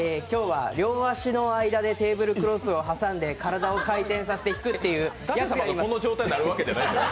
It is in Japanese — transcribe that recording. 今日は両脚の間でテーブルクロスを挟んで体を回転させて引くというものになります。